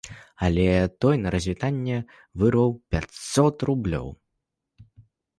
Але той на развітанне вырваў пяцьсот рублёў.